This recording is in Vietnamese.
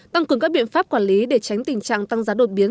tăng cường các biện pháp quản lý để tránh tình trạng tăng giá đột biến